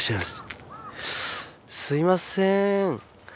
すみません！